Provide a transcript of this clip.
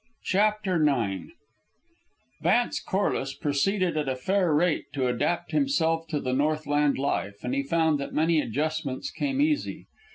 CHAPTER IX Vance Corliss proceeded at a fair rate to adapt himself to the Northland life, and he found that many adjustments came easy.